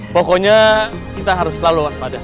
pokoknya kita harus selalu waspada